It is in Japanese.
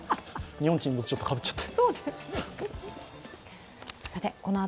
「日本沈没」ちょっとカブっちゃって。